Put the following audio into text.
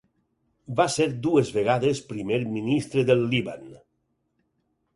Va ser dues vegades primer ministre del Líban.